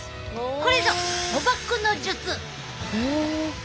これぞ捕縛の術！